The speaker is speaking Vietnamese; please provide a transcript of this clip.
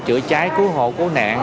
chữa trái cứu hộ cứu nạn